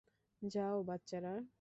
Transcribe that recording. যাও, বাচ্চারা!